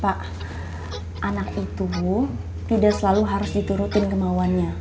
pak anak itu tidak selalu harus diturutin kemauannya